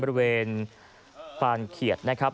บริเวณฟานเขียดนะครับ